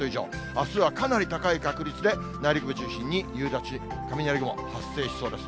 あすはかなり高い確率で内陸部中心に夕立、雷雲、発生しそうです。